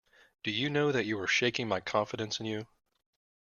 Do you know that you are shaking my confidence in you.